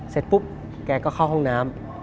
เสร็จปุ๊บแกก็เข้าห้องน้ำ